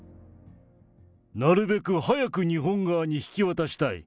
なるべく早く日本側に引き渡したい。